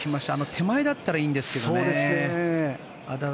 手前だったらいいんですけどね。